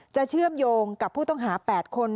เชื่อมโยงกับผู้ต้องหา๘คน